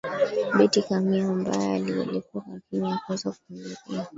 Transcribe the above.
beti kamia ambaye alialikwa lakini hakuweza kuhudhuria